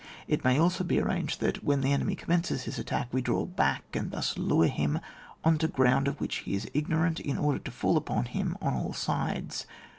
It may also be arranged so that, when the enemy commences his attack, we draw back and thus lure him on to ground of which he is ignorant, in order to fall upon him on all sides.